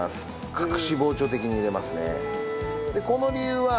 隠し包丁的に入れますね。